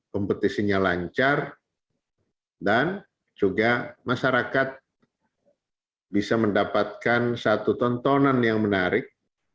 kompetisinya lancar dan juga masyarakat bisa mendapatkan satu tontonan yang menarik